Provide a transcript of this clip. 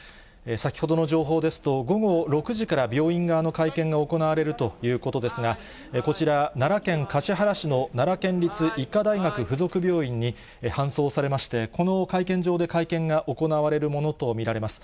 先ほどの情報ですと、午後６時から病院側の会見が行われるということですが、こちら、奈良県橿原市の奈良県立医科大学附属病院に搬送されまして、この会見場で会見が行われるものと見られます。